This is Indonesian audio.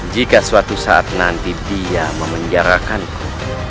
jika suatu saat nanti dia memenjarakanku